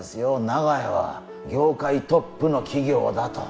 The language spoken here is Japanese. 長屋は業界トップの企業だと。